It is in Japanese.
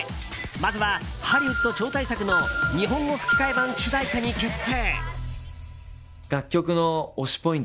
まずは、ハリウッド超大作の日本語吹き替え版主題歌に決定！